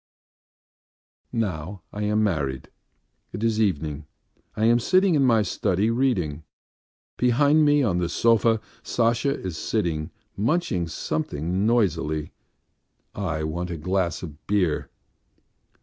Now I am married. It is evening. I am sitting in my study reading. Behind me on the sofa Sasha is sitting munching something noisily. I want a glass of beer.